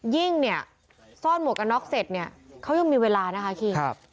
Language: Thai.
ยิ่งเนี่ยซ่อนหมวกกันน็อกเสร็จเนี่ยเขายังมีเวลานะคะคิง